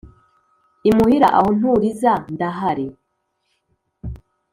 imuhira aho nturiza ndahazi